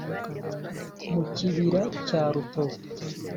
mu kibira cya rutovu